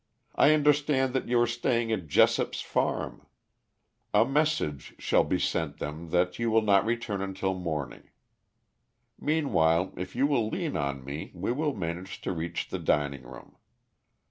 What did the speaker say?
I understand that you are staying at Jessop's farm. A message shall be sent them that you will not return till morning. Meanwhile, if you will lean on me we will manage to reach the dining room."